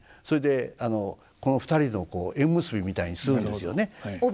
それでこの２人の縁結びみたいにするんですよね。